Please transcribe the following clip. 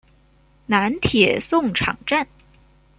南铁送场站。